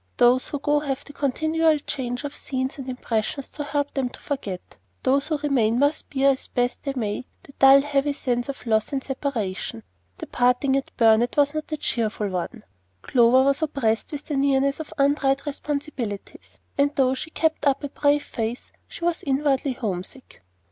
Those who go have the continual change of scenes and impressions to help them to forget; those who remain must bear as best they may the dull heavy sense of loss and separation. The parting at Burnet was not a cheerful one. Clover was oppressed with the nearness of untried responsibilities; and though she kept up a brave face, she was inwardly homesick.